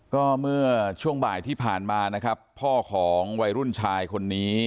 ก็เมื่อช่วงบ่ายที่ผ่านมานะครับพ่อของวัยรุ่นชายคนนี้